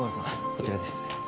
こちらです。